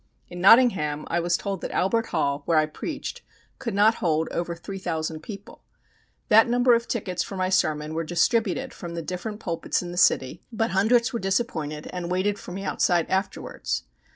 In Nottingham I was told that Albert Hall, where I preached, could not hold over 3,000 people. That number of tickets for my sermon were distributed from the different pulpits in the city, but hundreds were disappointed and waited for me outside afterwards.